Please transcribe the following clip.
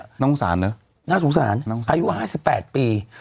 น่าสงสารนะน่าสงสารอายุ๕๘ปี